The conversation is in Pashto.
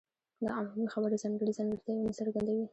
دا عمومي خبره ځانګړي ځانګړتیاوې نه څرګندوي.